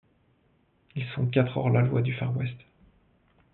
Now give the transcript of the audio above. Ils sont quatre hors-la-loi du Far West.